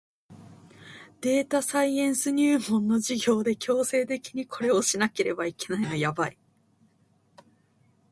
データサイエンス入門の授業で強制的にこれをしなければいけないのやばい